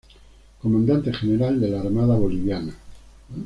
Comandante General de la Armada Boliviana.